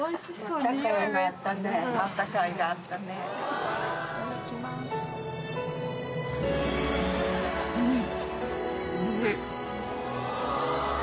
うん！